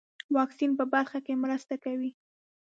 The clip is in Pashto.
واکسین په برخه کې مرسته کوي.